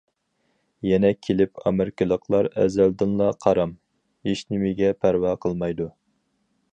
يەنە كېلىپ ئامېرىكىلىقلار ئەزەلدىنلا قارام، ھېچنېمىگە پەرۋا قىلمايدۇ.